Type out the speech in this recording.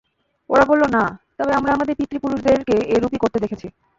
ওরা বলল, না, তবে আমরা আমাদের পিতৃ-পুরুষদেরকে এরূপই করতে দেখেছি।